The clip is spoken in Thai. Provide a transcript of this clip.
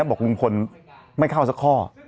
บอกลุงพลไม่เข้าสักข้อ